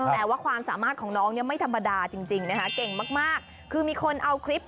แต่ว่าความสามารถของน้องเนี่ยไม่ธรรมดาจริงนะครับ